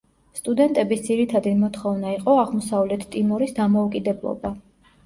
სტუდენტების ძირითადი მოთხოვნა იყო აღმოსავლეთ ტიმორის დამოუკიდებლობა.